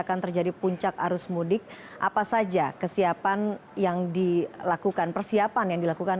akan terjadi puncak arus mudik apa saja persiapan yang dilakukan